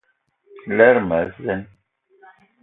Lerma a zeen.